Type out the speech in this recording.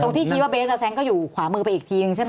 ที่ชี้ว่าเบสกับแซงก็อยู่ขวามือไปอีกทีนึงใช่ไหม